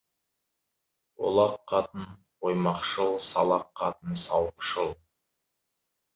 Олақ қатын оймақшыл, салақ қатын сауықшыл.